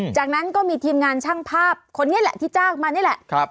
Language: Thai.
จากนั้นก็มีทีมงานช่างภาพคนนี้แหละที่จ้างมานี่แหละ